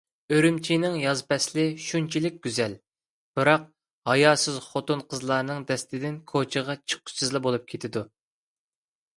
ئۈرۈمچىنىڭ ياز پەسلى شۇنچىلىك گۈزەل، بىراق ھاياسىز خوتۇن-قىزلارنىڭ دەستىدىن كوچىغا چىققۇسىزلا بولۇپ كېتىدۇ.